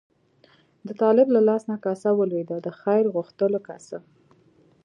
د طالب له لاس نه کاسه ولوېده، د خیر غوښتلو کاسه.